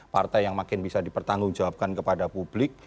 partai yang makin bisa dipertanggung jawabkan kepada publik